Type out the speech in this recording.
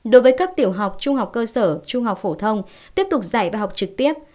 đối với cấp tiểu học trung học cơ sở trung học phổ thông tiếp tục dạy và học trực tiếp